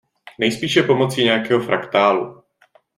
Nejspíše pomocí nějakého fraktálu.